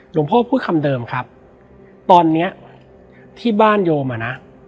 พูดคำเดิมครับตอนเนี้ยที่บ้านโยมอ่ะนะ